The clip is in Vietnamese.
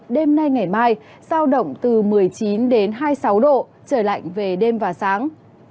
đêm nay ngày mai sao động từ một mươi chín đến hai mươi sáu độ trời lạnh về đêm và sáng